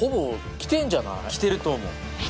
きてると思う。